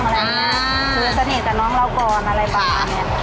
คุยสนิทกับน้องเราก่อนอะไรแบบ